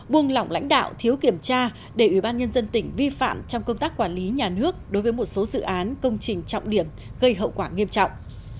buông lỏng lãnh đạo thiếu kiểm tra để ủy ban nhân dân tỉnh vi phạm trong công tác quản lý nhà nước đối với một số dự án công trình trọng điểm gây hậu quả nghiêm trọng